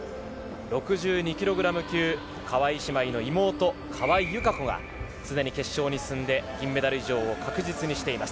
６２ｋｇ級、川井姉妹の妹・川井友香子がすでに決勝に進んで銀メダル以上を確実にしています。